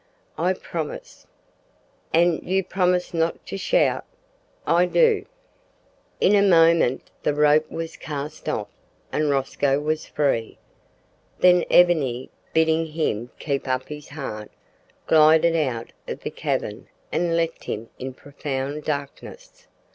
"I promise." "An' you promise not to shout?" "I do." In a moment the rope was cast off, and Rosco was free. Then Ebony, bidding him keep up his heart, glided out of the cavern and left him in profound darkness.